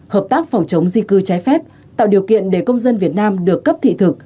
hợp tác phòng chống di cư trái phép tạo điều kiện để công dân việt nam được cấp thị thực